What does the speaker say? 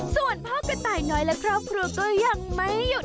ส่วนพ่อกระต่ายน้อยและครอบครัวก็ยังไม่หยุด